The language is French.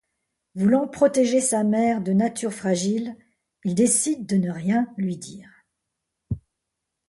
Voulant protéger sa mère de nature fragile, il décide de ne rien lui dire.